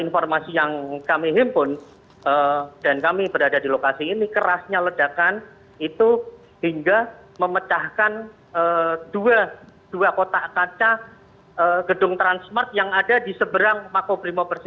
informasi yang kami himpun dan kami berada di lokasi ini kerasnya ledakan itu hingga memecahkan dua kotak kaca gedung transmart yang ada di seberang makobrimob